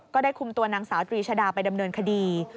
ก็ได้คุมตัวนางสาวตรีชดาไปดำเนินคดี